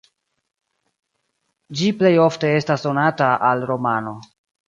Ĝi plej ofte estas donata al romano.